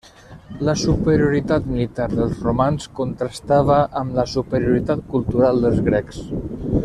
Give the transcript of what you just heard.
La superioritat militar dels romans contrastava amb la superioritat cultural dels grecs.